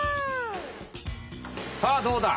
さあどうだ？